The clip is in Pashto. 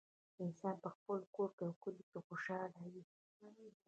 انسان په خپل کور او کلي کې خوشحاله وي